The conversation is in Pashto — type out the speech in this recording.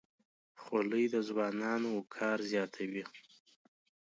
خولۍ د ځوانانو وقار زیاتوي.